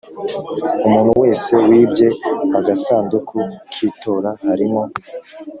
Umuntu wese wibye agasanduku k itora karimo